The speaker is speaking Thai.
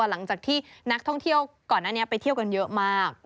หลังจากที่นักท่องเที่ยวก่อนหน้านี้ไปเที่ยวกันเยอะมาก